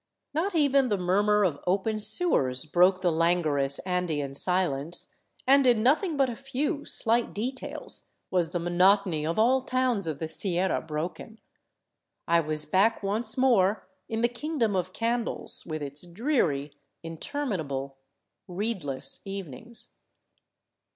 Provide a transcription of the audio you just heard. Not even the murmur of open sewers broke the langorous Andean silence, and in nothing but a few slight details was the monotony of all towns of the Sierra broken. I was back once more in the kingdom of candles, with its dreary, interminable, read less evenings.